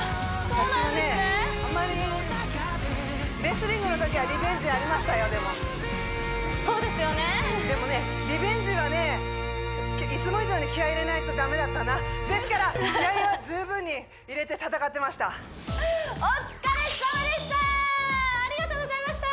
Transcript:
私はねあんまりそうですよねでもねリベンジはねいつも以上に気合い入れないと駄目だったなですから気合いは十分に入れて戦ってましたお疲れさまでしたありがとうございました